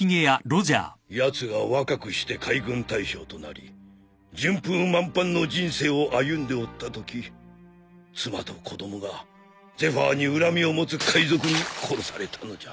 やつが若くして海軍大将となり順風満帆の人生を歩んでおったとき妻と子供がゼファーに恨みを持つ海賊に殺されたのじゃ。